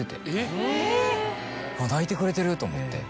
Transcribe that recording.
うわ泣いてくれてると思って。